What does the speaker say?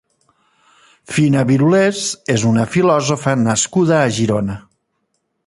Fina Birulés és una filòsofa nascuda a Girona.